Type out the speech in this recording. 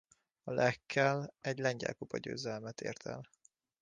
A Lech-hel egy lengyel kupagyőzelmet ért el.